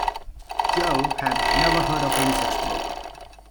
Jo had never heard of any such book.